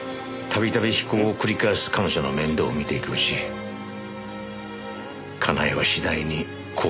度々非行を繰り返す彼女の面倒を見ていくうち佳苗は次第に更生していきました。